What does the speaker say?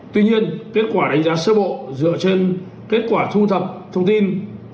tuy nhiên kết quả đánh giá sơ bộ dựa trên kết quả thu thập thông tin